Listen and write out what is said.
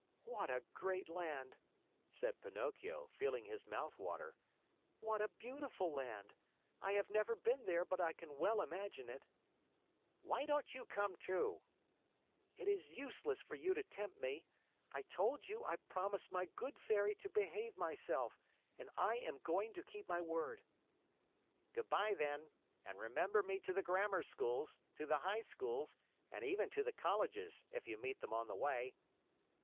"What a great land!" said Pinocchio, feeling his mouth water. "What a beautiful land! I have never been there, but I can well imagine it." "Why don't you come, too?" "It is useless for you to tempt me! I told you I promised my good Fairy to behave myself, and I am going to keep my word." "Good by, then, and remember me to the grammar schools, to the high schools, and even to the colleges if you meet them on the way."